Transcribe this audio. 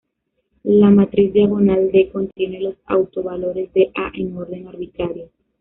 La matriz diagonal "D" contiene los autovalores de "A" en orden arbitrario.